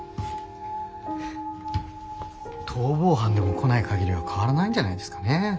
逃亡犯でも来ない限りは変わらないんじゃないですかね。